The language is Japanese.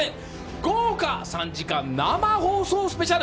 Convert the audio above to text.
豪華３時間生放送スペシャル。